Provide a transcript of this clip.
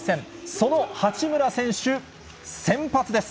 その八村選手、先発です。